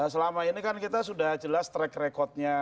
selama ini kan kita sudah jelas track recordnya